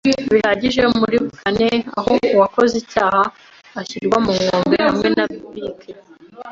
bihagije muri buccaneers, aho uwakoze icyaha ashyirwa ku nkombe hamwe na bike